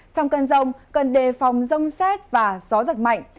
trong cơn rông cần đề phòng rông xét và gió giật mạnh